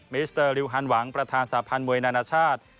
มิสเตอร์ริวฮันหวังประธานสาพันธ์มวยนานาชาติ